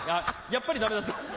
やっぱりダメだった。